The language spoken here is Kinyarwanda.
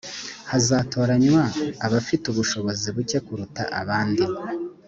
hazatoranywa abafite ubushobozi bucye kuruta abandi